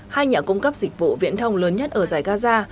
hai nhà cung cấp dịch vụ viễn thông lớn nhất ở giải gaza